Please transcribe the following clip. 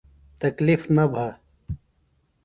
تکلیف نہ بھہ۔